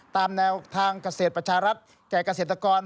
ตามแนวทางเกษตรประชารัฐแก่เกษตรกร